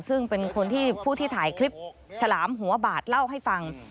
ซึ่งเป็นคนที่ผู้ที่ถ่ายคลิปฉลามหัวบาดเล่าให้ฟัง